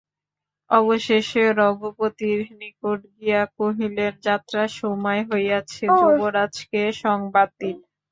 অবশেষে রঘুপতির নিকট গিয়া কহিলেন, যাত্রার সময় হইয়াছে, যুবরাজকে সংবাদ দিন।